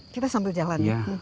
kita sambil jalan ya